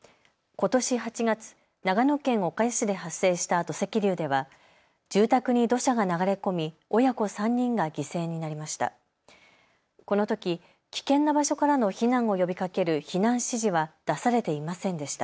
ことし８月、長野県岡谷市で発生した土石流では住宅に土砂が流れ込み、親子３人が犠牲になりました。